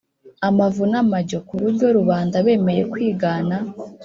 amavu n’amajyo, ku buryo rubanda bemeye kwigana